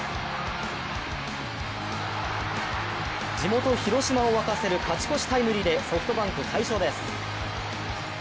地元・広島を沸かせる勝ち越しタイムリーでソフトバンク、快勝です。